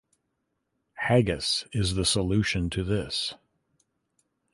Haggis is the solution to this.